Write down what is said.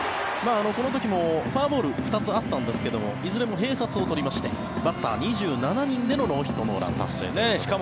この時もフォアボール２つあったんですがいずれも併殺を取りましてバッター２７人でのノーヒット・ノーラン達成となりました。